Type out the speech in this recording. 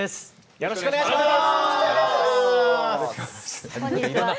よろしくお願いします。